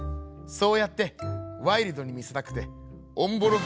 「そうやってワイルドにみせたくておんぼろ